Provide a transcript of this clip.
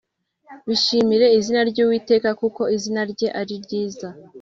Bishimire izina ry Uwiteka Kuko izina rye ari ryiza